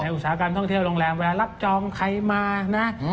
อุตสาหกรรมท่องเที่ยวโรงแรมเวลารับจองใครมานะ